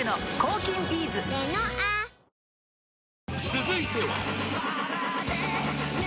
［続いては］